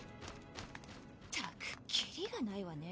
ったくキリがないわね。